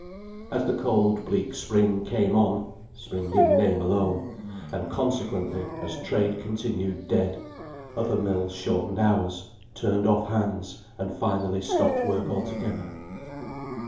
As the cold bleak spring came on (spring, in name alone), and consequently as trade continued dead, other mills shortened hours, turned off hands, and finally stopped work altogether.